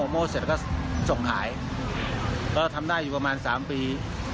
โม่เสร็จแล้วก็ส่งขายก็ทำได้อยู่ประมาณ๓ปี